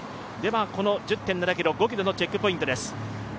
この１０．７ｋｍ、５ｋｍのチェックポイントです。